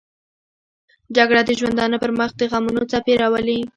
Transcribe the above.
جګړه د ژوندانه پر مخ دغمونو څپې راولي